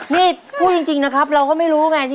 นี่พูดจริงนะครับเราก็ไม่รู้ไง